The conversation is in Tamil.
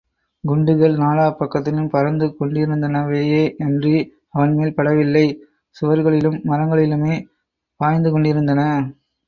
குண்டுகள் நாலா பக்கத்திலும் பறந்து கொண்டிருந்தனவேயன்றி அவன்மேல் படவில்லை சுவர்களிலும் மரங்களிலுமே பாய்ந்துகொண்டிருந்தன.